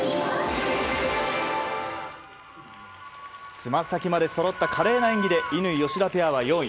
つま先までそろった華麗な演技で乾、吉田ペアは４位。